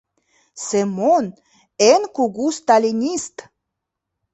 Семон — эн кугу сталинист...